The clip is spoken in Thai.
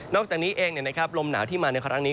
อกจากนี้เองลมหนาวที่มาในครั้งนี้